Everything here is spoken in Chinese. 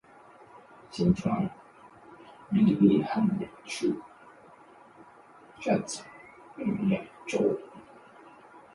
晴川历历汉阳树，芳草萋萋鹦鹉洲。